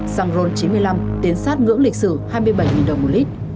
xăng ron chín mươi năm tiến sát ngưỡng lịch sử hai mươi bảy đồng một lít